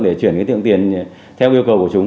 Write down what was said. để chuyển tiền theo yêu cầu của chúng